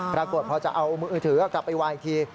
ปรากฏพอจะเอามือถือกลับไปวางอีกที